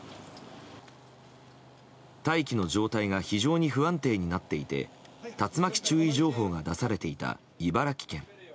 大気の状態が非常に不安定になっていて竜巻注意情報が出されていた茨城県。